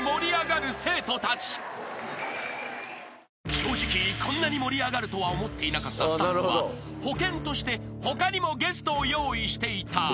［正直こんなに盛り上がるとは思っていなかったスタッフは保険として他にもゲストを用意していた］